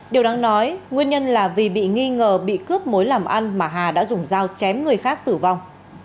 điều đáng nói nguyên nhân là vì bị nghi ngờ bị cướp mối làm ăn mà hà đã dùng dao chém người khác tử vong